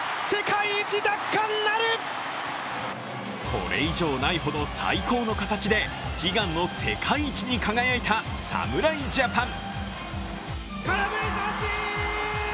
これ以上ないほど最高の形で悲願の世界一に輝いた侍ジャパン。